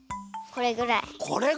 これぐらい？